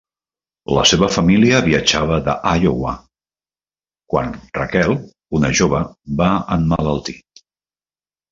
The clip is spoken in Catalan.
La seva família viatjava d'Iowa quan Rachel, una jove, va emmalaltir.